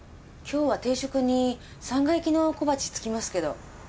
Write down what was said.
今日は定食にさんが焼きの小鉢つきますけど。